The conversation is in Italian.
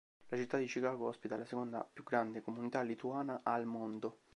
La città di Chicago ospita la seconda più grande comunità lituana al mondo.